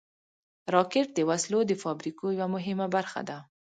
راکټ د وسلو د فابریکو یوه مهمه برخه ده